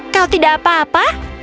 kau tidak apa apa